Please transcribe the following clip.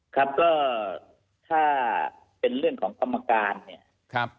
ครับก็ถ้าเป็นเรื่องของคำมาการ